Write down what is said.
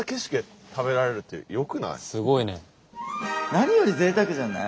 何よりぜいたくじゃない？